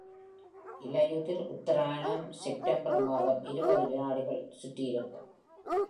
இலையுதிர் உத்தராயணம் செப்டம்பர் மாதம் இருபது வினாடிகள் சுற்றி இருக்கும்.